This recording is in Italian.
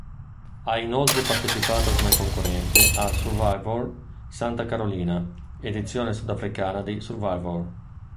Ha inoltre partecipato come concorrente a "Survivor Santa Carolina", edizione sudafricana di "Survivor".